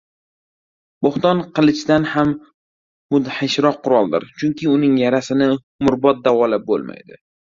Bo‘hton qilichdan ham mudhishroq quroldir, chunki uning yarasini umrbod davolab bo‘lmaydi.